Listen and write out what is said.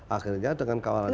akhirnya dengan kawalan ini